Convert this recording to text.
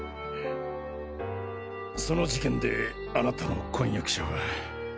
その事件であなたの婚約者は。